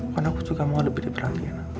karena aku juga mau lebih diperhatian